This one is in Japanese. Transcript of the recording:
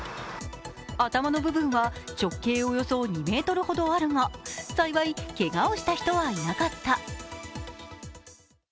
頭の部分は直径およそ２ｍほどあるが、幸い、けがをした人はいなかった。